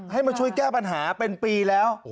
ให้มาช่วยแก้ปัญหาเป็นปีแล้ว